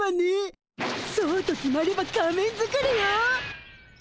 そうと決まれば仮面作りよ！